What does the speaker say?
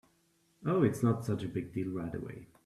Oh, it’s not such a big deal right away.